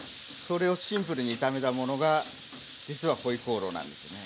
それをシンプルに炒めたものが実は回鍋肉なんです。